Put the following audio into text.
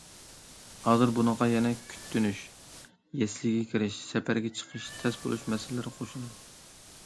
ھازىر بۇنىڭغا يەنە كۈتۈنۈش، يەسلىگە كىرىش، سەپەرگە چىقىش تەس بولۇش مەسىلىلىرى قوشۇلدى.